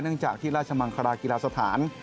เนื่องจากที่ณราชมังคาราศกีฬาสถาน